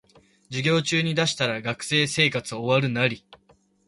授業中に出したら学生生活終わるナリ